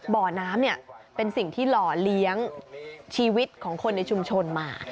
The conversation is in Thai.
บ่อน้ำเนี่ยเป็นสิ่งที่หล่อเลี้ยงชีวิตของคนในชุมชนมา